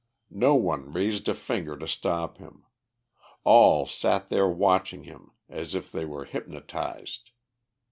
No one raised a finger to stop him; all sat there watching him as if they were hypnotised.